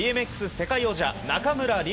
世界王者中村輪